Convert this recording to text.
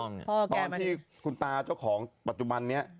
ตอนที่คุณธากับช่อของปัจจุบันเนี้ย